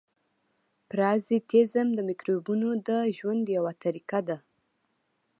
پرازیتېزم د مکروبونو د ژوند یوه طریقه ده.